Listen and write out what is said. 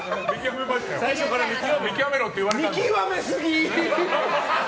見極めすぎ！